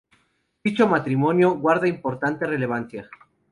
Dicho matrimonio guarda importante relevancia.